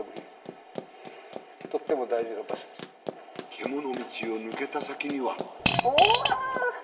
けもの道を抜けた先には。